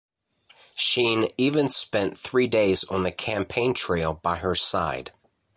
Sheen even spent three days on the campaign trail by her side.